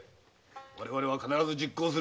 我々は必ず実行する。